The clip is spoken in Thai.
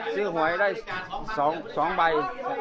ซื้อหวยได้สองสองใบ